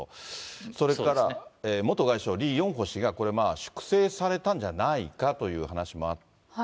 それから元外相、リ・ヨンホ氏がこれ、粛清されたんじゃないかという話もあって。